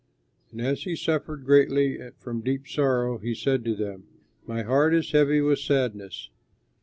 And as he suffered greatly from deep sorrow, he said to them, "My heart is heavy with sadness.